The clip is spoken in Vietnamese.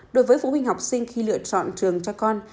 đối với phụ huynh học sinh khi lựa chọn trường cho con